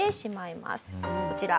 こちら。